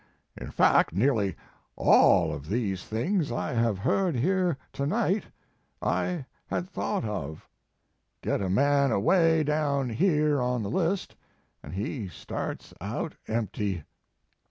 In fact nearly all of these things I have heard here to night I had thought of. Get a man away down here on the list, and he starts out empty.